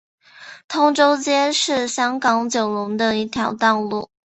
通州街是香港九龙的一条道路。